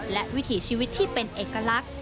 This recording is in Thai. และวิถีชีวิตที่เป็นเอกลักษณ์